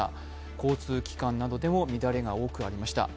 交通機関などでも乱れが多くありました。